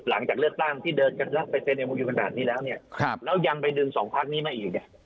หลังจากเลือดตั้งที่เดินกันแล้วไปเซเนมูกอยู่ขนาดนี้แล้วเนี่ย